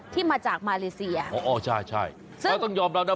ที่มาจากมาเลเซียอ๋ออ๋อใช่ใช่แล้วต้องยอมรับนะ